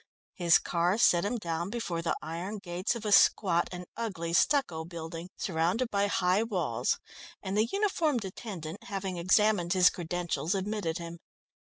His car set him down before the iron gates of a squat and ugly stucco building, surrounded by high walls, and the uniformed attendant, having examined his credentials, admitted him.